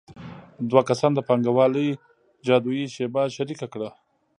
دوه کسانو د پانګوالۍ جادويي شیبه شریکه کړه